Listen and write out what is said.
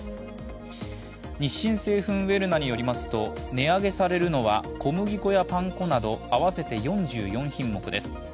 日清製粉ウェルナによりますと値上げされるのは小麦粉やパン粉など合わせて４４品目です。